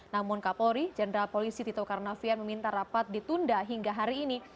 namun kapolri jenderal polisi tito karnavian meminta rapat ditunda hingga hari ini